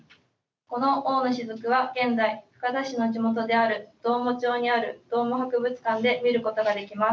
この王のしずくは現在、深田氏の地元であるどーも町にある、どーも博物館で見ることができます。